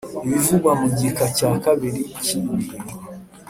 Ibivugwa mu gika cya kabiri cy iyi ngingo